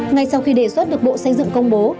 ngay sau khi đề xuất được bộ xây dựng công bố